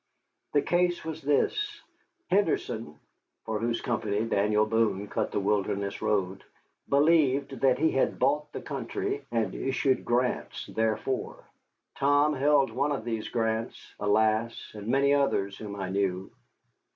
The case was this: Henderson (for whose company Daniel Boone cut the wilderness road) believed that he had bought the country, and issued grants therefor. Tom held one of these grants, alas, and many others whom I knew.